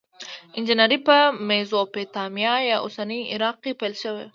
انجنیری په میزوپتامیا یا اوسني عراق کې پیل شوه.